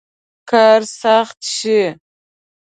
کار سخت شي.